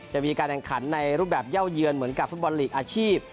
จะมีการแข่งขันในรูปแบบเย่าเยือนเหมือนกับฟุตบอลลีกอาชีพ